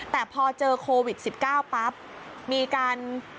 แต่พอเจอโควิด๑๙ปั๊บมีการ